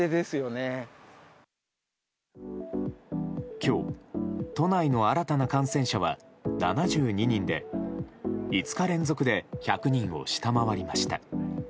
今日、都内の新たな感染者は７２人で５日連続で１００人を下回りました。